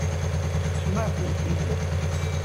Teṭṭfem-aɣ-tent-id.